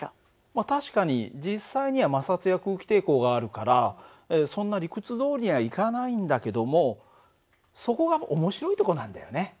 まあ確かに実際には摩擦や空気抵抗があるからそんな理屈どおりにはいかないんだけどもそこが面白いとこなんだよね。